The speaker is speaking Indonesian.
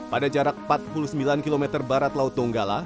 pada jarak empat puluh sembilan km barat laut donggala